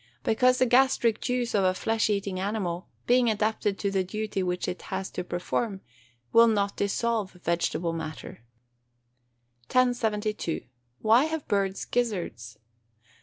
_ Because the gastric juice of a flesh eating animal, being adapted to the duty which it has to perform, will not dissolve vegetable matter. 1072. _Why have birds gizzards?